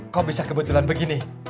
kok bisa kebetulan begini